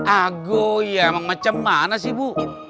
agung ya emang macam mana sih bu